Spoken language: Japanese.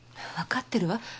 分かってるわ。